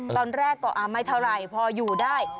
ตอนแรกก็ไม่เท่าไหร่พออยู่ได้